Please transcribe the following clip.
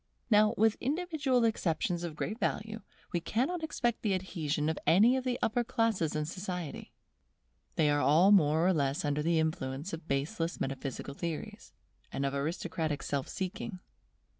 Now, with individual exceptions of great value, we cannot expect the adhesion of any of the upper classes in society. They are all more or less under the influence of baseless metaphysical theories, and of aristocratic self seeking.